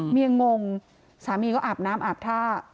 งงสามีก็อาบน้ำอาบท่า